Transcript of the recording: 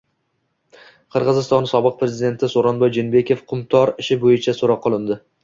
Qirg‘iziston sobiq prezidenti So‘ronboy Jeenbekov “Qumtor” ishi bo‘yicha so‘roq qilindi